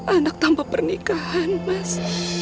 anak tanpa pernikahan mas